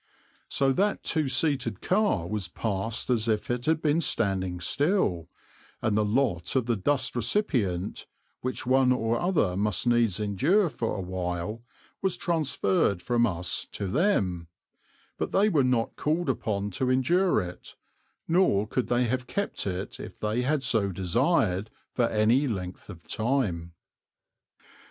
So that two seated car was passed as if it had been standing still, and the lot of the dust recipient, which one or other must needs endure for a while, was transferred from us to them; but they were not called upon to endure it, nor could they have kept it if they had so desired, for any length of time.